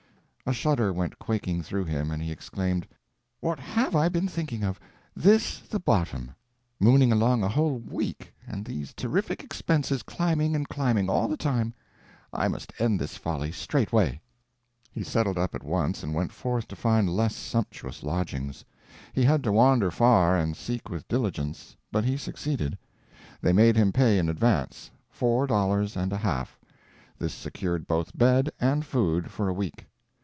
A shudder went quaking through him, and he exclaimed: "What have I been thinking of! This the bottom! Mooning along a whole week, and these terrific expenses climbing and climbing all the time! I must end this folly straightway." He settled up at once and went forth to find less sumptuous lodgings. He had to wander far and seek with diligence, but he succeeded. They made him pay in advance—four dollars and a half; this secured both bed and food for a week.